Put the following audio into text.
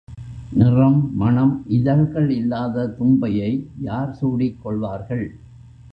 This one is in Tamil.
நிறம், மணம், இதழ்கள் இல்லாத தும்பையை யார் சூடிக் கொள்வார்கள்?